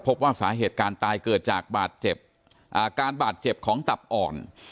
พบว่าสาเหตุการณ์ตายเกิดจากบาดเจ็บอาการบาดเจ็บของตับอ่อน